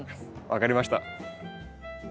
分かりました。